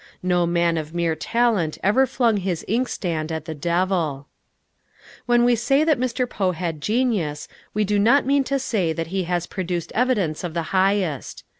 No man of mere talent ever flung his inkstand at the devil. When we say that Mr. Poe had genius, we do not mean to say that he has produced evidence of the highest.